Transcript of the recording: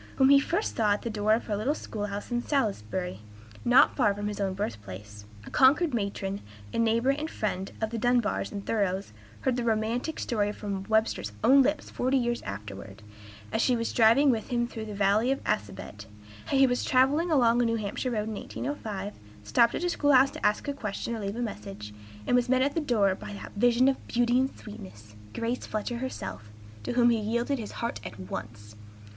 whom he first saw at the door of her little school house in Salisbury, not far from his own birthplace. A Concord matron, a neighbor and friend of the Dunbars and Thoreaus, heard the romantic story from Webster's own lips forty years afterward, as she was driving with him through the valley of the Assabet: how he was traveling along a New Hampshire road in 1805, stopped at a school house to ask a question or leave a message, and was met at the door by that vision of beauty and sweetness, Grace Fletcher herself, to whom he yielded his heart at once.